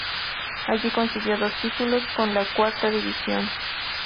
Allí consiguió dos títulos con la cuarta división.